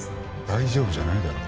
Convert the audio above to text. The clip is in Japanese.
大丈夫じゃないだろ。